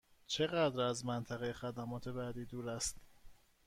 چقدر از منطقه خدمات بعدی دور است؟